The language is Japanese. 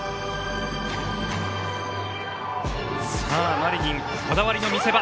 マリニンこだわりの見せ場。